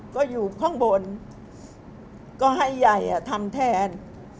ก็อยู่ข้างบนก็ให้ใหญ่ทำแทน